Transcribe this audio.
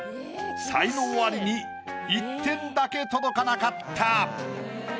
才能アリに１点だけ届かなかった。